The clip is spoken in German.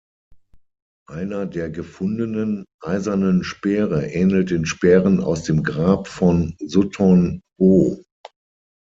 Einer der gefundenen eisernen Speere ähnelt den Speeren aus dem Grab von Sutton Hoo.